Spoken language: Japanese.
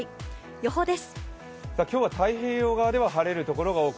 予報です。